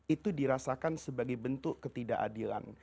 itu dirasakan sebagai bentuk ketidakadilan